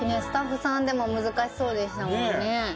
スタッフさんでも難しそうでしたもんね。